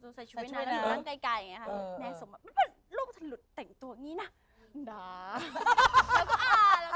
ใกล้อย่างนั้นเป็นลูกอยู่ใส่ชุบไว้นานใกล้อย่างนี้ค่ะแม่ส่งมาไม่เป็นลูกถ้าลุดแต่งตัวอย่างนี้น่ะน่า